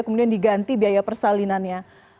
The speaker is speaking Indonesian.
kemudian diganti biaya persalinannya